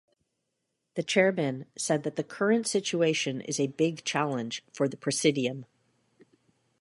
The chairman said that current situation is a big challenge for the presidium.